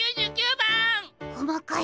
こまかい！